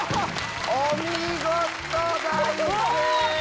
お見事。